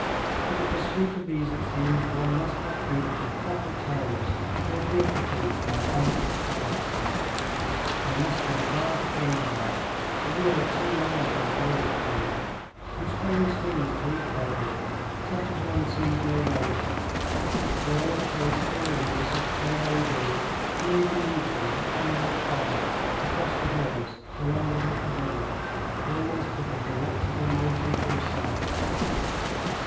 For the pursuit of these, it seems, one must have boots with copper toes, made waterproof by abundant tallow. There must be a vast game bag a world too large for a boyish form and strange things to eat therein, such as one sees no longer; for on a chase calling for such daring do it may be needful that one walk far, across the hills, along the little river, almost to the Delectable Mountains themselves.